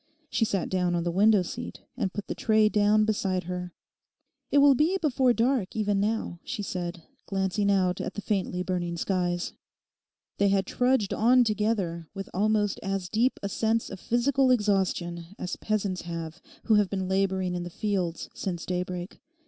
She sat down on the window seat and put the tray down beside her. 'It will be before dark even now,' she said, glancing out at the faintly burning skies. They had trudged on together with almost as deep a sense of physical exhaustion as peasants have who have been labouring in the fields since daybreak.